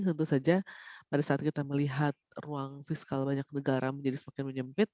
tentu saja pada saat kita melihat ruang fiskal banyak negara menjadi semakin menyempit